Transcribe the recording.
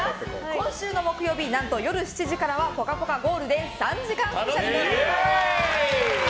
今週の木曜日夜７時からは「ぽかぽかゴールデン」３時間スペシャルです！